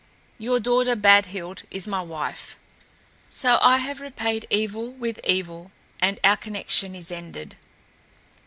Your daughter Badhild is my wife. So have I repaid evil with evil, and our connection is ended."